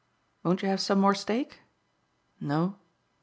Won't you have some more steak? No?